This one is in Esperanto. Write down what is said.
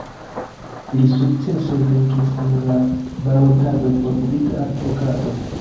Li sukcese venkis en la balotado por Publika Advokato.